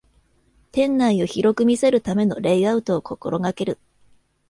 店内を広く見せるためのレイアウトを心がける